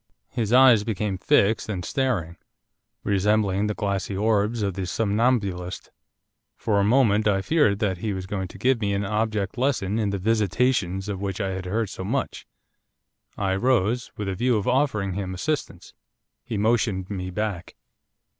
His eyes became fixed and staring, resembling the glassy orbs of the somnambulist. For a moment I feared that he was going to give me an object lesson in the 'visitations' of which I had heard so much. I rose, with a view of offering him assistance. He motioned me back.